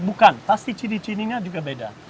bukan pasti ciri cirinya juga beda